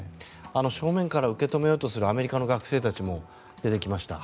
正面から受け止めようとするアメリカの学生たちも出てきました。